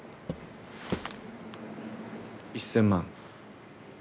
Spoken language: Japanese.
１０００万。